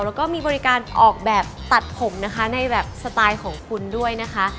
แล้วก็มีบริการออกแบบตัดผมนะคะในแบบสไตล์ของคุณด้วยนะคะ